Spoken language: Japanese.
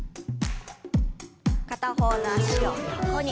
片方の脚を横に。